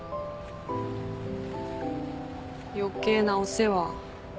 余計なお世話。